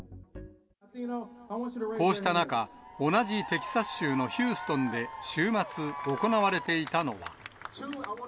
こうした中、同じテキサス州のヒューストンで週末行われていたのは。